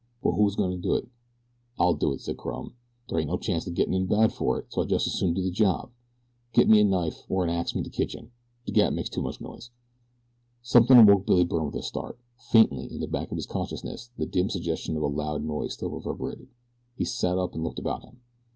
"But who's goin' to do it?" "I'll do it," said Crumb. "Dere ain't no chanct of gettin' in bad for it, so I jest as soon do the job. Get me a knife, or an ax from de kitchen de gat makes too much noise." Something awoke Billy Byrne with a start. Faintly, in the back of his consciousness, the dim suggestion of a loud noise still reverberated. He sat up and looked about him.